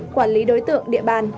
quản lý đối tượng địa bàn